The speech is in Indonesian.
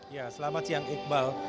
ya selamat siang iqbal